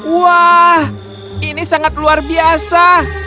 wah ini sangat luar biasa